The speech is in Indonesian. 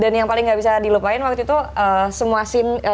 dan yang paling nggak bisa dilupain waktu itu semua scene